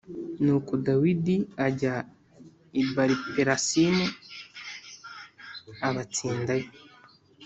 Nuko Dawidi ajya i Bāliperasimu abatsindayo